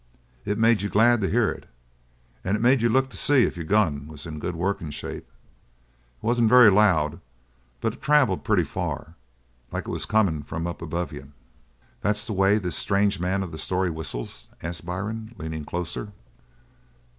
It made you glad to hear it, and it made you look to see if your gun was in good workin' shape. It wasn't very loud, but it travelled pretty far, like it was comin' from up above you." "That's the way this strange man of the story whistles?" asked Byrne, leaning closer.